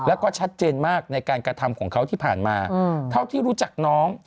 แล้วก็ชัดเจนมากในการกระทำของเขาที่ผ่านมาเท่าที่รู้จักน้อง